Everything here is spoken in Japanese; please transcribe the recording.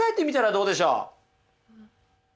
どうでしょう？